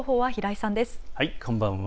こんばんは。